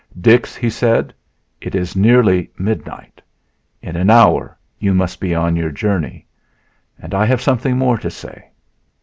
"Dix," he said, "it is nearly midnight; in an hour you must be on your journey, and I have something more to say.